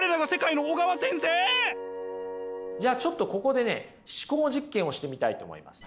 じゃあちょっとここでね思考実験をしてみたいと思います。